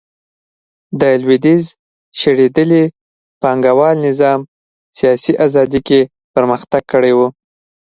د لوېدیځ شړېدلي پانګوال نظام سیاسي ازادي کې پرمختګ کړی و